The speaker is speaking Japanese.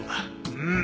うん。